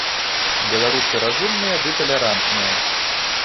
Беларусы разумныя ды талерантныя.